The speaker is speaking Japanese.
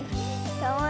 かわいい。